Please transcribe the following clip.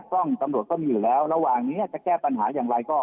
กล้องตำรวจก็มีอยู่แล้วระหว่างนี้จะแก้ปัญหาอย่างไรก็